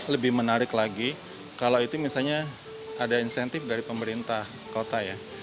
lebih menarik lagi kalau itu misalnya ada insentif dari pemerintah kota ya